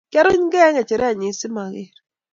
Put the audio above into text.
kaaruny kei eng kecheret nyii simaker